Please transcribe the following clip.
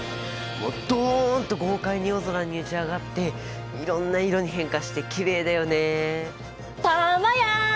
もうドンと豪快に夜空に打ち上がっていろんな色に変化してきれいだよね。